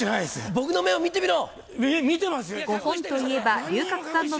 僕の目を見てみろ！